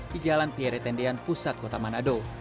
di jalan pierre tendian pusat kota manado